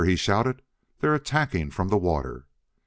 he shouted, "they're attacking from the water!"